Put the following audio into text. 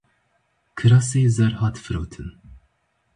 Kirasê zer hat firotin.